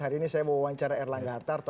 hari ini saya mau wawancara erlangga hartarto